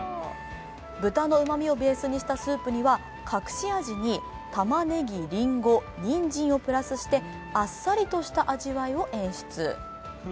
豚のうまみをベースにしたスープには、隠し味にたまねぎ、りんご、にんじんをプラスして、あっさりとした味わいを演出。